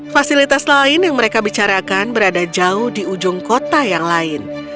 fasilitas lain yang mereka bicarakan berada jauh di ujung kota yang lain